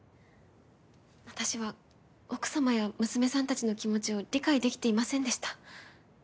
私は奥様や娘さんたちの気持ちを理解できていませんでした。